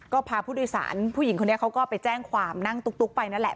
ก็พาผู้โดยสารผู้หญิงคนนี้เขาก็ไปแจ้งความนั่งตุ๊กไปนั่นแหละ